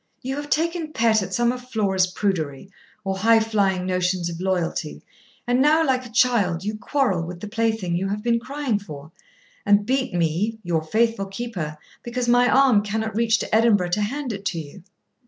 You have taken pet at some of Flora's prudery, or high flying notions of loyalty, and now, like a child, you quarrel with the plaything you have been crying for, and beat me, your faithful keeper, because my arm cannot reach to Edinburgh to hand it to you.